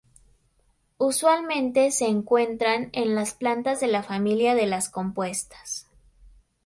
Usualmente se encuentran en las plantas de la familia de las compuestas.